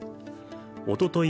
おととい